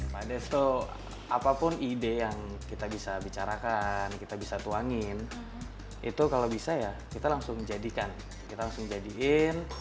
pada situ apapun ide yang kita bisa bicarakan kita bisa tuangin itu kalau bisa ya kita langsung menjadikan